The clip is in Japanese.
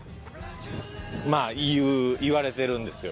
まあいわれてるんですよ。